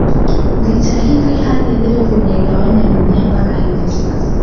Vita hivi hadi leo vimeigawanya Dunia mpaka hivi sasa